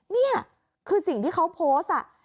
นี่คือสิ่งที่เขาโพสต์